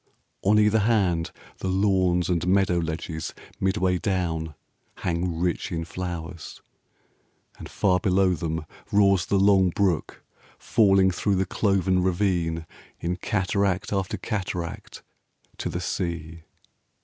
On either hand 5 The lawns and meadow ledges midway down Hang rich in flowers, and far below them roars The long brook falling through the clov'n ravine In cataract after cataract to the sea.